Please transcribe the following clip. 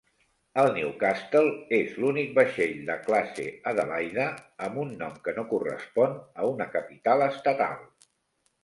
El "Newcastle" és l'únic vaixell de classe "Adelaide" amb un nom que no correspon a una capital estatal.